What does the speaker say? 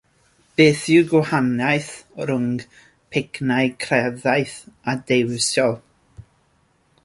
Beth yw'r gwahaniaeth rhwng pynciau craidd a dewisol?